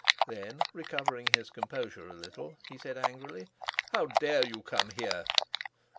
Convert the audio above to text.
Then, recovering his composure a little, he said angrily, "How dare you come here?"